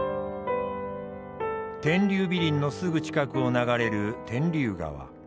天竜美林のすぐ近くを流れる天竜川。